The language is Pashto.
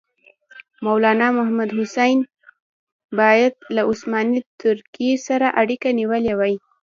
مولنا محمودالحسن باید له عثماني ترکیې سره اړیکه نیولې وای.